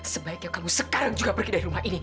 sebaiknya kamu sekarang juga pergi dari rumah ini